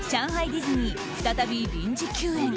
ディズニー再び臨時休園。